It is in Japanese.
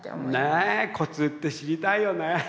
ねえコツって知りたいよねえ！